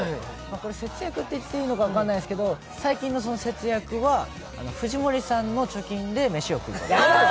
節約って言っていいのか分からないんですけど、最近の節約は藤森さんの貯金で飯を食う。